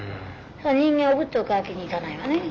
人間おぶっとくわけにいかないわね。